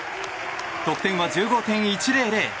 得点は１５．１００。